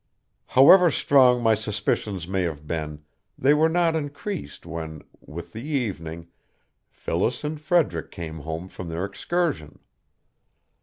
However strong my suspicions may have been, they were not increased when, with the evening, Phyllis and Frederick came home from their excursion.